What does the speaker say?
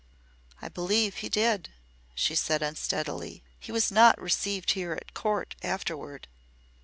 "I believe he did," she said, unsteadily. "He was not received here at Court afterward."